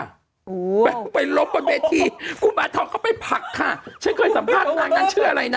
โอ้โหไปล้มประเภททีกุมารทองเข้าไปผักค่ะฉันเคยสัมภาษณ์กับนางนั้นเชื่ออะไรนะ